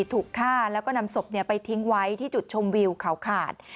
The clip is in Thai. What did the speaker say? ถูกฆ่าแล้วก็นำศพไปทิ้งไว้ที่จุดชมวิวเขาขาด